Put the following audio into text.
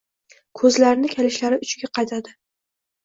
Ko‘zlarini kalishlari uchiga qadadi.